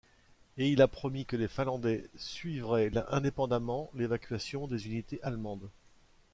Et il a promis que les Finlandais suivraient indépendamment l'évacuation des unités allemandes.